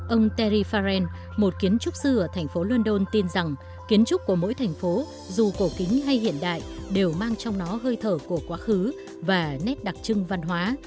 ông tari farren một kiến trúc sư ở thành phố london tin rằng kiến trúc của mỗi thành phố dù cổ kính hay hiện đại đều mang trong nó hơi thở của quá khứ và nét đặc trưng văn hóa